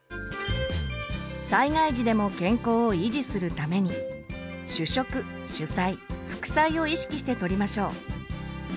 災害時でも健康を維持するために主食主菜副菜を意識して取りましょう。